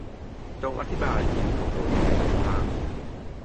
จงอธิบายชีวิตตัวเองในหนึ่งภาพ